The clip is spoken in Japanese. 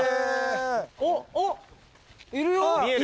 おっおっいるよ。